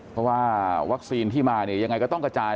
เพราะว่าวัคซีนที่มาเนี่ยยังไงก็ต้องกระจาย